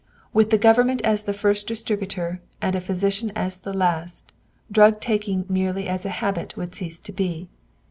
With the Government as the first distributor and a physician as the last, drug taking merely as a habit would cease to be.